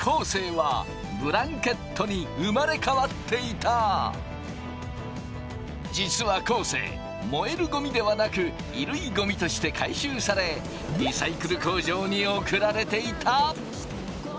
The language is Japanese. なんと実は昴生燃えるゴミではなく衣類ゴミとして回収されリサイクル工場に送られていた。